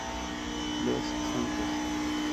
Los Santos.